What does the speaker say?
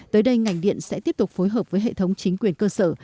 tới đây ngành điện sẽ tiếp tục phối hợp với hệ thống chính quyền cơ sở